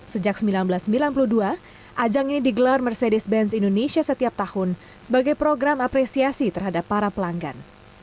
sejak seribu sembilan ratus sembilan puluh dua ajang ini digelar mercedes benz indonesia setiap tahun sebagai program apresiasi terhadap para pelanggan